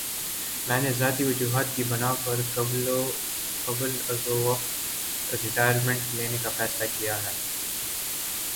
میں نے ذاتی وجوہات کی بِنا پر قبلازوقت ریٹائرمنٹ لینے کا فیصلہ کِیا ہے